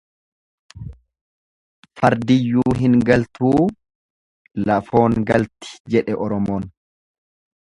Fardiyyuu hin galtuu lafoon galti jedhe Oromoon.